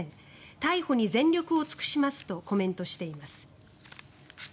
逮捕に全力を尽くしますとコメントしています。